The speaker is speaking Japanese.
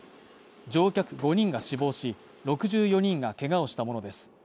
乗客５人が死亡し、６４人がけがをしたものです。